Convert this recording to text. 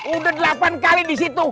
udah delapan kali di situ